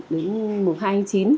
đến mùa hai chín